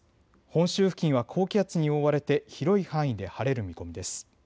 本州付近は高気圧に覆われて広い範囲で晴れる見込みです。